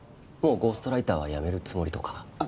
もうゴーストライターはやめるつもりとか？